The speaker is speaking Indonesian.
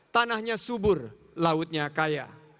tanahnya subur lautnya kaya